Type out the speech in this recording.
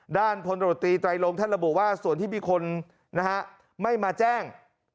ด้านผลโดรตีไตรลงท่านบอกว่าส่วนที่มีคนไม่มาแจ้ง